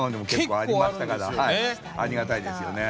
ありがたいですよね。